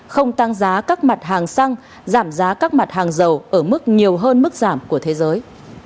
không tăng giá các mặt hàng xăng giảm giá các mặt hàng dầu ở mức nhiều hơn mức giảm của thế giới